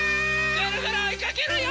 ぐるぐるおいかけるよ！